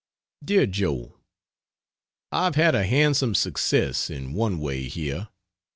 DEAR JOE, ... I have had a handsome success, in one way, here.